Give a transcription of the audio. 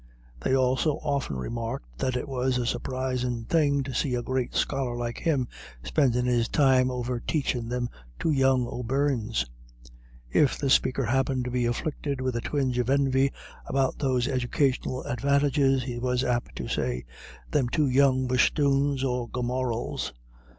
They also often remarked that it was "a surprisin' thing to see a great scholar like him spendin' his time over taichin' thim two young O'Beirnes." If the speaker happened to be afflicted with a twinge of envy about those educational advantages, he was apt to say "thim two young bosthoons" or "gomerals."